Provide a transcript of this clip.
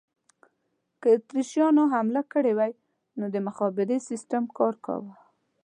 که اتریشیانو حمله کړې وای، نه د مخابرې سیسټم کار کاوه.